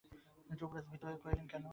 যুবরাজ ভীত হইয়া কহিলেন, কেন?